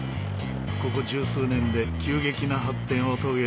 ここ十数年で急激な発展を遂げ